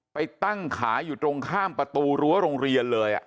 ไปตั้งขายอยู่ตรงข้ามประตูรั้วโรงเรียนเลย